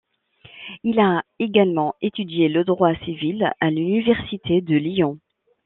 Il a également étudié le droit civil à l'université de Lyon.